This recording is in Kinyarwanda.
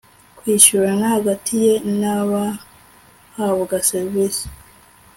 kwishyurana hagati ye n'abahabwa serivisi